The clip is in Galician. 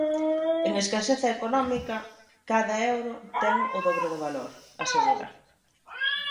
"En escaseza económica, cada euro ten dobre valor", asegura.